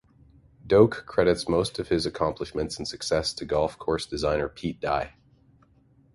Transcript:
Doak credits most of his accomplishments and success to golf course designer Pete Dye.